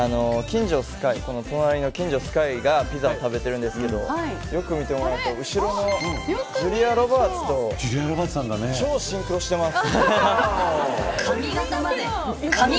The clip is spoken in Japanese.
隣の金城碧海がピザを食べていますがよく見てもらうと後ろのすジュリア・ロバーツとシンクロしています。